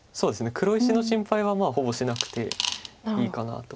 黒石の心配はまあほぼしなくていいかなと。